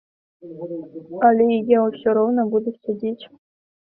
Але я ўсё роўна буду сядзець.